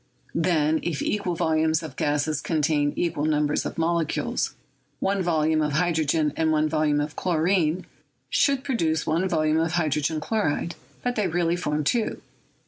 Then, if equaf volumes of gases ccntain equal numbers of molecules, one volume of hydrogen and one volume of chlorine should produce one volume of hydrogen chloride, but they really form two.